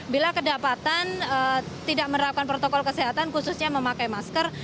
bila kedapatan tidak menerapkan protokol kesehatan khususnya memakai masker